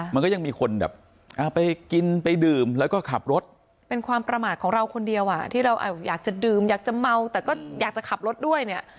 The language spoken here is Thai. มันก็ยังมีคนแบบไปกินไปดื่มแล้วก็ขับรถเป็นความประมาทของเราคนเดียวอ่ะที่เราอยากจะดื่มอยากจะเมาแต่ก็อยากจะขับรถด้วยเนี่ย